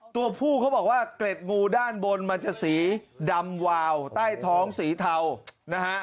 ตัวผู้เขาบอกว่าเกร็ดงูด้านบนมันจะสีดำวาวใต้ท้องสีเทานะฮะ